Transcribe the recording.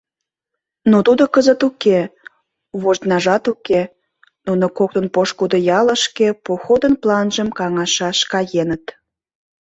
Но тудо кызыт уке, вождьнажат уке — нуно коктын пошкудо ялышке походын планжым каҥашаш каеныт.